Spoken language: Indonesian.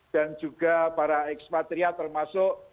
dan juga para ekspatria termasuk